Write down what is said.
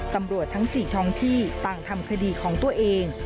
ตำรวจทั้ง๔ทองที่ต่างทำคดีของตัวเอง